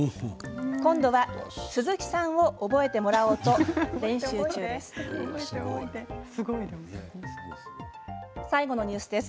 今度は鈴木さんを覚えてもらおうと練習中です。